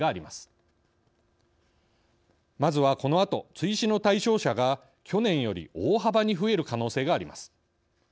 まずはこのあと追試の対象者が去年より大幅に増える可能性があります。